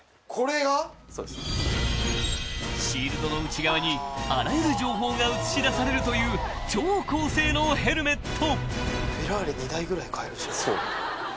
［シールドの内側にあらゆる情報が映し出されるという超高性能ヘルメット］